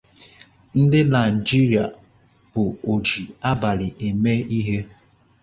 Ndị Nigeria bụ oji abalị eme ihe